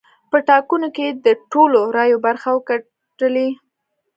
په ټاکنو کې یې د ټولو رایو برخه وګټلې.